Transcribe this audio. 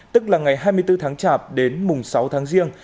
tức là ngày hai mươi bốn tháng chạp đến mùng sáu tháng riêng